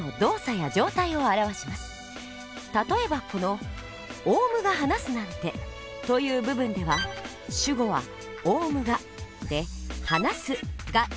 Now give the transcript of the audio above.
例えばこの「オウムがはなすなんて」という部分では主語は「オウムが」で「はなす」が述語にあたります。